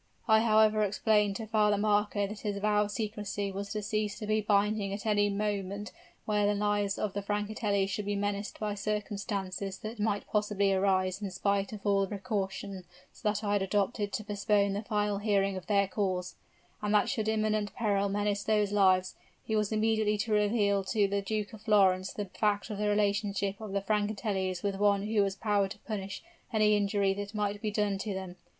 I however explained to Father Marco that his vow of secrecy was to cease to be binding at any moment when the lives of the Francatellis should be menaced by circumstances that might possibly arise in spite of all the precautions that I had adopted to postpone the final hearing of their case; and that should imminent peril menace those lives, he was immediately to reveal to the Duke of Florence the fact of the relationship of the Francatellis with one who has power to punish any injury that might be done to them.